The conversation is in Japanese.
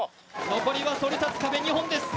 残りはそり立つ壁、２本です。